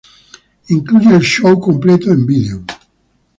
Incluye el show completo en Video.